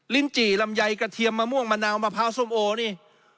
จี่ลำไยกระเทียมมะม่วงมะนาวมะพร้าวส้มโอนี่